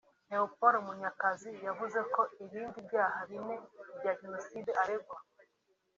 Leopord Munyakazi yavuze ko ibindi byaha bine bya Jenoside aregwa